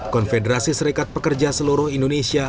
konfederasi serikat pekerja seluruh indonesia